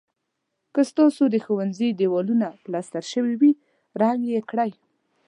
که ستاسو د ښوونځي دېوالونه پلستر شوي وي رنګ یې کړئ.